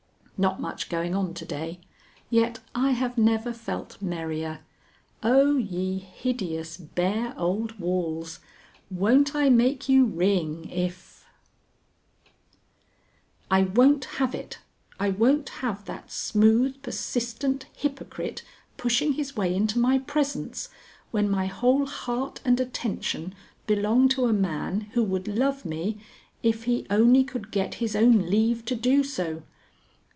Not much going on to day. Yet I have never felt merrier. Oh, ye hideous, bare old walls! Won't I make you ring if I won't have it! I won't have that smooth, persistent hypocrite pushing his way into my presence, when my whole heart and attention belong to a man who would love me if he only could get his own leave to do so.